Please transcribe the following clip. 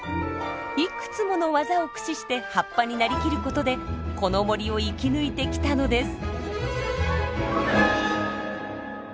いくつものワザを駆使して葉っぱに成りきることでこの森を生き抜いてきたのです。